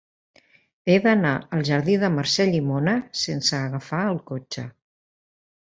He d'anar al jardí de Mercè Llimona sense agafar el cotxe.